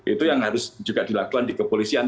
itu yang harus juga dilakukan di kepolisian